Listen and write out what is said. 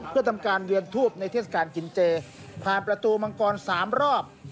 เพื่อทำการเวียนทูปในเทศกาลกินเจผ่านประตูมังกร๓รอบ